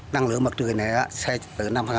năng lượng mặt trời này sẽ tự nhiên